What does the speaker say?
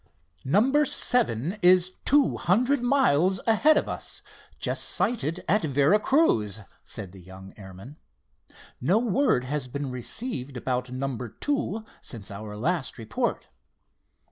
"Number seven is two hundred miles ahead of us—just sighted at Vera Cruz," said the young airman. "No word has been received about number two since our last report."